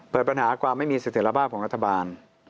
เปิดปัญหาความไม่มีเสถียรภาพของรัฐบาล